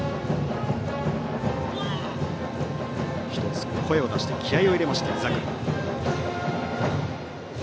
１つ、声を出して気合いを入れた井櫻。